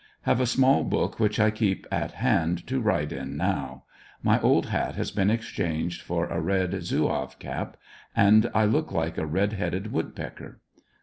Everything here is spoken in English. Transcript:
Have a small book which I keep at hand to write in now. My old hat has been exchanged for a red zouave cap, and I look like a red headed woodpecker.